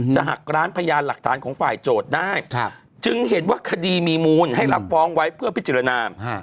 จะหักร้านพยานหลักฐานของฝ่ายโจทย์ได้จึงเห็นว่าคดีมีมูลให้รับฟ้องไว้เพื่อพิจารณา